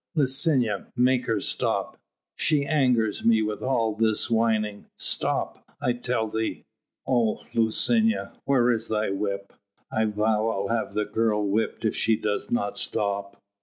"Licinia, make her stop she angers me with all this whining stop, I tell thee. Oh, Licinia, where is thy whip? I vow I'll have the girl whipped if she do not stop."